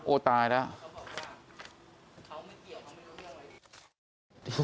โอ๊ยตายแล้ว